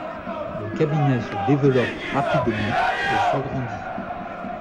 Le cabinet se développe rapidement et s’agrandit.